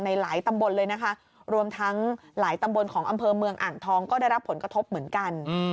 ช่วงทั้งอำเพอร์อังทองก็ได้รับผลกระทบเหมือนกัน